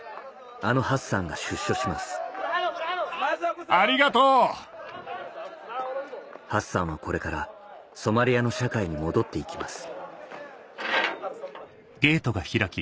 あのハッサンが出所しますハッサンはこれからソマリアの社会に戻って行きます